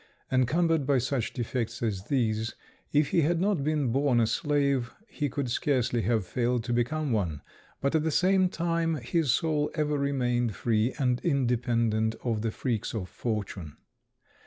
Encumbered by such defects as these, if he had not been born a slave, he could scarcely have failed to become one; but at the same time his soul ever remained free and independent of the freaks of fortune.